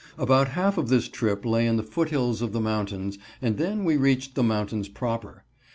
About half of this trip lay in the foothills of the mountains, and then we reached the mountains proper.